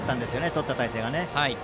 とった体勢が。